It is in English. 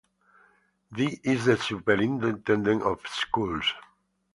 D is the Superintendent of Schools.